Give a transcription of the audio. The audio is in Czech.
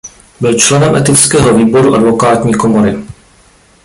Byl členem Etického výboru Advokátní komory.